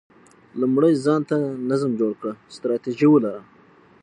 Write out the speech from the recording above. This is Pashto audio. لومړی ځان ته نظم جوړ کړه، ستراتیژي ولره،